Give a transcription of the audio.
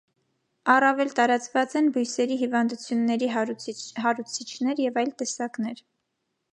Առավել տարածված են բույսերի հիվանդությունների հարուցիչներ ,, և այլ տեսակներ։